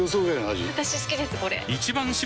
私好きですこれ！